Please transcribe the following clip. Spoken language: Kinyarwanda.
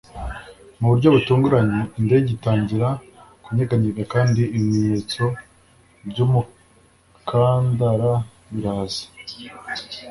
mu buryo butunguranye, indege itangira kunyeganyega kandi ibimenyetso by'umukandara biraza